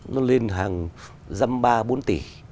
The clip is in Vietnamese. nó lên hàng dăm ba bốn tỷ